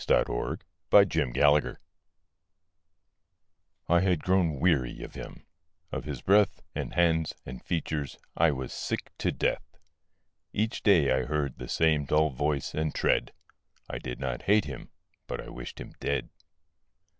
THOU SHALT NOT KILL I had grown weary of him; of his breath And hands and features I was sick to death. Each day I heard the same dull voice and tread; I did not hate him: but I wished him dead.